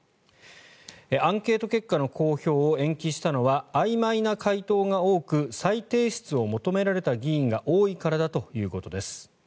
アンケート結果の公表を延期したのはあいまいな回答が多く再提出を求められた議員が多いからだということです。